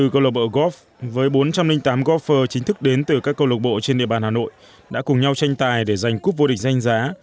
ba mươi bốn câu lạc bộ góp với bốn trăm linh tám góp phơ chính thức đến từ các câu lạc bộ trên địa bàn hà nội đã cùng nhau tranh tài để giành cup vô địch danh giá